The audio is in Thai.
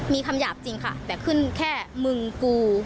มีคำหยาบจริงค่ะแต่ขึ้นแค่มึงกู